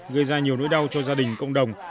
gây ra nhiều nỗi đau cho gia đình cộng đồng